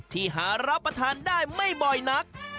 ที่หารับประทานได้ไม่บ่อยนัก